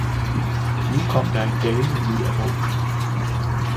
Nu kom der en dame ud af vognen.